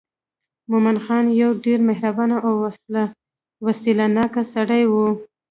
مومن خان یو ډېر مهربانه او وسیله ناکه سړی و.